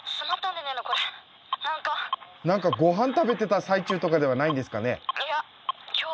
何かごはん食べてた最中とかではないんですかね？